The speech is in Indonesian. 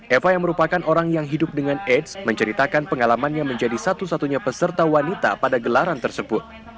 eva yang merupakan orang yang hidup dengan aids menceritakan pengalamannya menjadi satu satunya peserta wanita pada gelaran tersebut